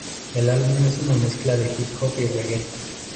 El álbum es una mezcla de hip hop y reggae.